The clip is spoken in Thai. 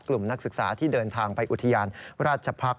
นักศึกษาที่เดินทางไปอุทยานราชพักษ